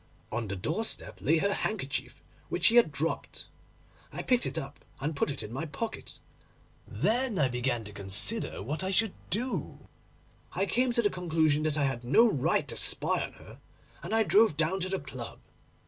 On the doorstep lay her handkerchief, which she had dropped. I picked it up and put it in my pocket. Then I began to consider what I should do. I came to the conclusion that I had no right to spy on her, and I drove down to the club.